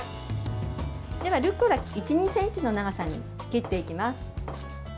では、ルッコラ１２ｃｍの長さに切っていきます。